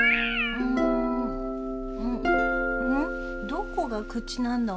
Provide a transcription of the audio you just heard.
どこが口なんだ？